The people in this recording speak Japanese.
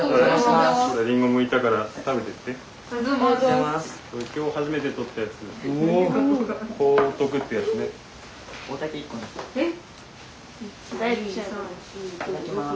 いただきます。